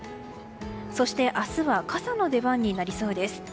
そして明日は傘の出番になりそうです。